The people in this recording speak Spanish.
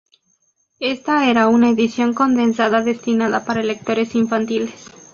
Esta era una edición condensada destinada para lectores infantiles.